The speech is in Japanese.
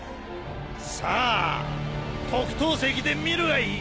さあ特等席で見るがいい！